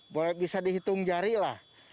boleh bisa dihitung jari lah